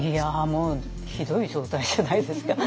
もうひどい状態じゃないですか。